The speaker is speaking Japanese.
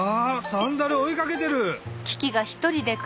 サンダルをおいかけてる！